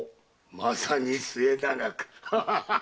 まさに末永く。